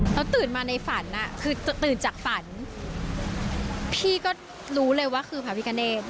เขาตื่นมาในฝันคือตื่นจากฝันพี่ก็รู้เลยว่าคือพระพิกาเนธ